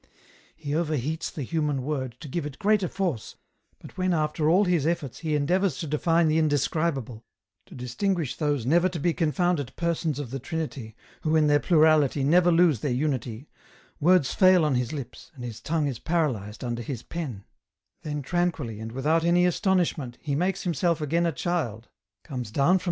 " He over heats the human word to give it greater force, but when after all his efforts he endeavours to define the Indescribable, to distinguish those never to be confounded Persons of the Trinity who in their plurality never losv their unity, words fail on his lips, and his tongue is paralyzed under his pen ; then tranquilly and without any astonish ment he makes himself again a child comes down from EN ROUTE.